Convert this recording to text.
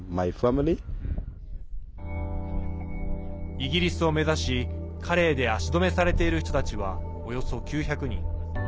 イギリスを目指し、カレーで足止めされている人たちはおよそ９００人。